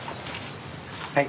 はい。